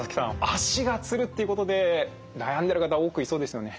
足がつるっていうことで悩んでる方多くいそうですよね。